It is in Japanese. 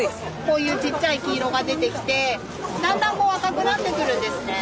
こういうちっちゃい黄色が出てきてだんだんこう赤くなってくるんですね。